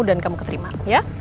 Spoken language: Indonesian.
dan kamu keterima ya